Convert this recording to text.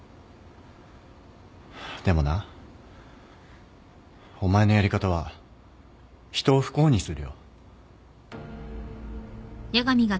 でもなお前のやり方は人を不幸にするよ。